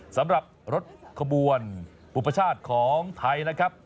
สำหรับรถขบวนอุปชาติของไทยนะครับ